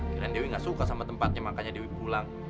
kirain dewi gak suka sama tempatnya makanya dewi pulang